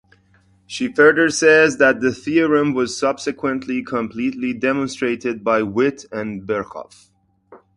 She further says that the theorem was subsequently completely demonstrated by Witt and Birkhoff.